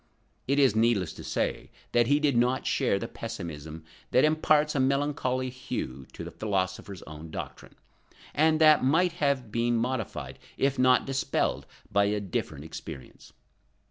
It is needless to say that he did not share the pessimism that imparts a melancholy hue to the philosopher's own doctrine, and that might have been modified if not dispelled by a different experience.